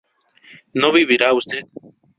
¿no vivirá usted?